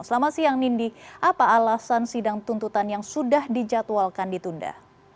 selamat siang nindi apa alasan sidang tuntutan yang sudah dijadwalkan ditunda